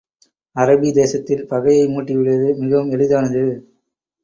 அரபி தேசத்தில் பகையை மூட்டி விடுவது மிகவும் எளிதானது.